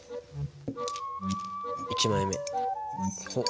１枚目ほっ。